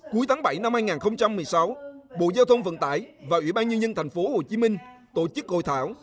cuối tháng bảy năm hai nghìn một mươi sáu bộ giao thông vận tải và ủy ban nhân dân thành phố hồ chí minh tổ chức hội thảo